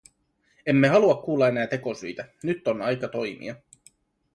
Emme halua kuulla enää tekosyitä, nyt on aika toimia.